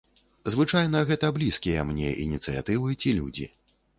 Звычайна, гэта блізкія мне ініцыятывы ці людзі.